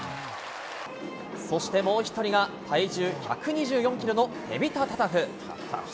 そしてもう１人が、体重１２４キロのテビタ・タタフ。